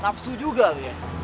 sapsu juga lu ya